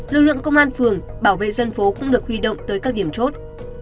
lực lượng công an phường bảo vệ dân phố cũng được huy động tới các điểm chốt